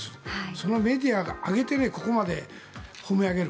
そのメディアが挙げてここまで褒め上げる。